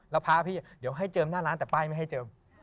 แล้วพระพี่เดี๋ยวให้เจิมหน้าร้านแต่ป้ายไม่ให้เจิม